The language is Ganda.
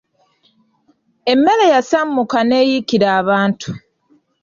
Emmere yasammuka n'eyikira abantu.